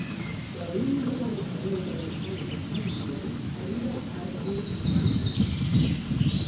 La línia de ferrocarril de Wuhan-Jiujiang arriba a Ruichang.